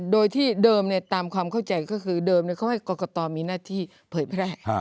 โดยที่เดิมตามความเข้าใจก็คือเดิมเขาให้กรกตมีหน้าที่เผยแพร่